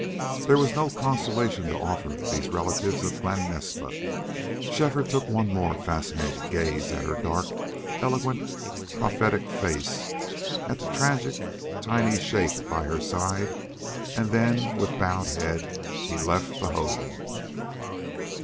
There was no consolation to offer these relatives of Glen Naspa. Shefford took one more fascinated gaze at her dark, eloquent, prophetic face, at the tragic tiny shape by her side, and then with bowed head he left the hogan.